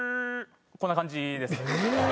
こんな感じですね。